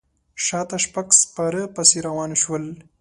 شاته شپږ سپاره پسې روان شول.